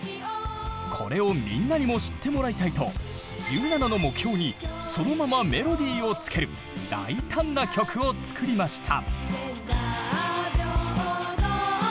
これをみんなにも知ってもらいたいと１７の目標にそのままメロディーをつける大胆な曲を作りました。